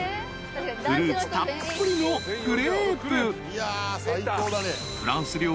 ［フルーツたっぷりのクレープ］